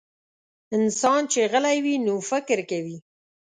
انسان چې غلی وي، نو فکر کوي.